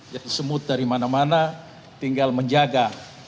jadi semut dari mana mana tinggal menjaga